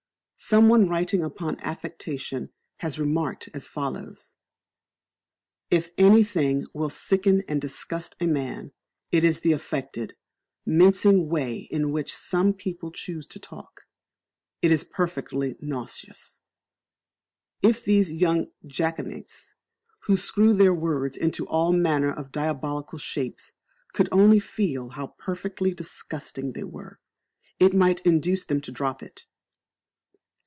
Some one writing upon affectation has remarked as follows: "If anything will sicken and disgust a man, it is the affected, mincing way in which some people choose to talk. It is perfectly nauseous. If these young jackanapes, who screw their words into all manner of diabolical shapes, could only feel how perfectly disgusting they were, it might induce them to drop it.